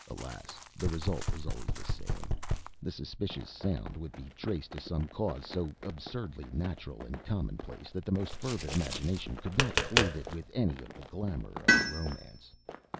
Alas, the result was always the same! The suspicious sound would be traced to some cause so absurdly natural and commonplace that the most fervid imagination could not clothe it with any of the glamour of romance.